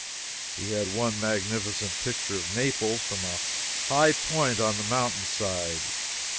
We had one magnificent picture of Naples from a high point on the mountain side.